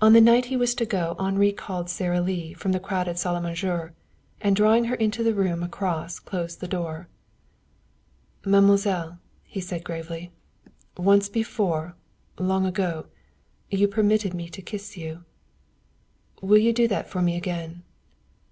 On the night he was to go Henri called Sara Lee from the crowded salle à manger and drawing her into the room across closed the door. "Mademoiselle," he said gravely, "once before, long ago, you permitted me to kiss you. Will you do that for me again?"